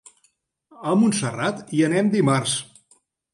A Montserrat hi anem dimarts.